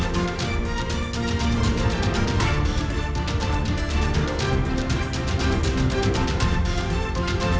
terima kasih banyak mas raffan